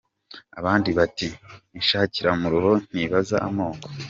Abandi bati : "inshakiramuruho ntibaza amoko".